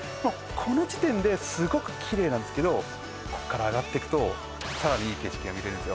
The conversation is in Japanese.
この時点ですごくキレイなんですけどこっから上がってくとさらにいい景色が見れるんですよ